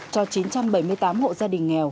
cho chín trăm bảy mươi tám hộ gia đình nghèo